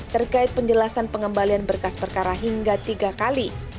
terkait penjelasan pengembalian berkas perkara hingga tiga kali